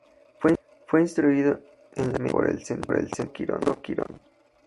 Fue instruido en la medicina por el centauro Quirón.